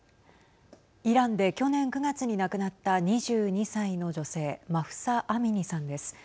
イランで去年９月に亡くなった２２歳の女性マフサ・アミニさんです。